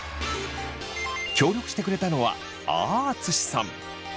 協力してくれたのはあああつしさん！